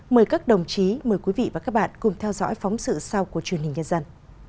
mời các đồng chí mời quý vị và các bạn cùng theo dõi phóng sự sau của truyền hình nhân dân